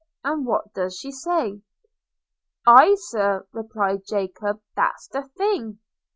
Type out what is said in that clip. And what does she say?' 'Aye, Sir,' replied Jacob, 'that's the thing.